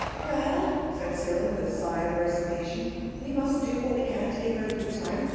"Well," said Cyril, with a sigh of resignation, "we must do what we can to give her a good time.